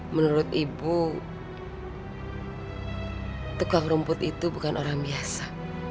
menurut ibu tukang rumput itu bukan orang biasa